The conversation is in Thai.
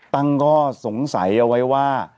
ตั้งข้อสงสัยเอาไว้ว่า